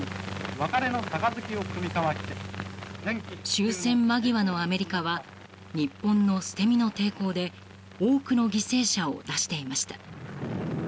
終戦間際のアメリカは日本の捨て身の抵抗で多くの犠牲者を出していました。